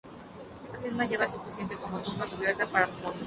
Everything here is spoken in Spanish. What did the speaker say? Esta misma hierba es suficiente como una tumba cubierta para los pobres.